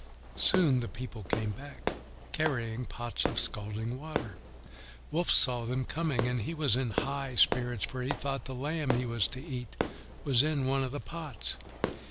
Soon the people came back, carrying the pots of scalding water. Wolf saw them coming, and he was in high spirits, for he thought the lamb he was to eat was in one of the pots.